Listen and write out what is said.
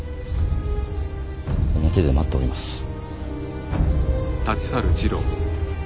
表で待っております。